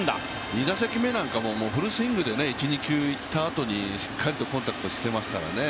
２打席目なんか、フルスイングで１、２球いったあとにしっかりとコンタクトしてますからね。